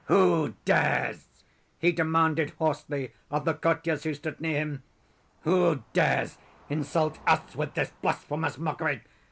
"Who dares?" he demanded hoarsely of the courtiers who stood near him—"who dares insult us with this blasphemous mockery?